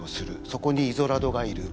そこにイゾラドがいる。